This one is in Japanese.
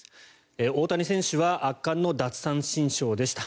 大谷選手は圧巻の奪三振ショーでした。